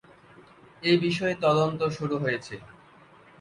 এ বিষয়ে তদন্ত শুরু হয়েছে।